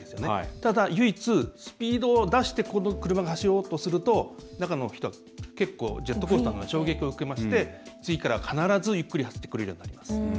ただ唯一、スピードを出して今度、車が走ろうとすると中の人は結構ジェットコースターのような衝撃を受けまして次からは必ずゆっくり走ってくれるようになります。